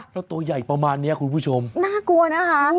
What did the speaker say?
แล้วตัวใหญ่ประมาณนี้คุณผู้ชมน่ากลัวนะคะ